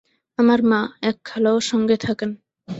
আমার মা, এক খালাও সঙ্গে থাকেন।